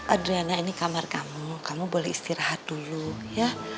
adriana ini kamar kamu kamu boleh istirahat dulu ya